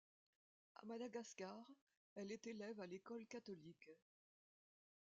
A Madagascar, elle est élève à l'école catholique.